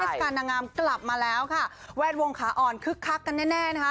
การนางงามกลับมาแล้วค่ะแวดวงขาอ่อนคึกคักกันแน่แน่นะคะ